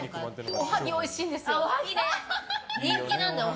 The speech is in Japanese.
おはぎがおいしいんですよ。